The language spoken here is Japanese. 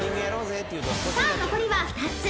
［さあ残りは２つ］